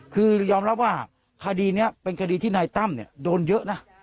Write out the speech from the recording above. คือยอมรับว่าคดีนี้เป็นคดีที่นายตั้มโดนเยอะนะ